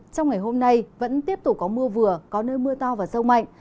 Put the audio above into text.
trong ngày hôm nay vẫn tiếp tục có mưa vừa có nơi mưa to và rông mạnh